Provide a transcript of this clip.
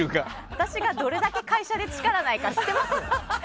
私がどれだけ会社で力ないか知ってます？